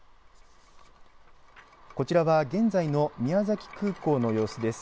こちらは現在の宮崎空港の様子です。